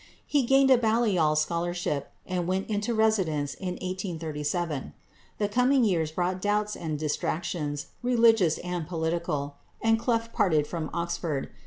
He gained a Balliol scholarship, and went into residence in 1837. The coming years brought doubts and distractions, religious and political, and Clough parted from Oxford.